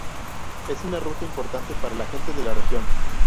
Es una ruta importante para la gente de la región.